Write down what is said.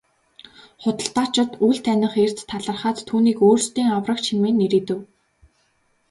Худалдаачид үл таних эрд талархаад түүнийг өөрсдийн аврагч хэмээн нэрийдэв.